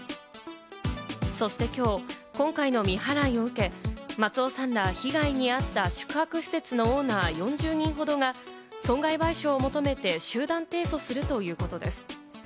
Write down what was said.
そしてきょう、今回の未払いを受け、松尾さんら被害に遭った、宿泊施設のオーナー４０人ほどが損害賠償を求めて集団提訴するということです。